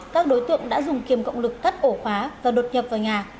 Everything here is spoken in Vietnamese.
các đối tượng đã dùng kiềm cộng lực cắt ổ khóa và đột nhập vào nhà